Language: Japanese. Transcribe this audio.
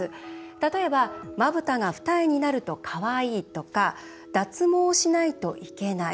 例えば、まぶたが二重になるとかわいいとか脱毛しないといけない。